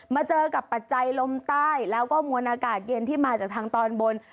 เจอกับปัจจัยลมใต้แล้วก็มวลอากาศเย็นที่มาจากทางตอนบน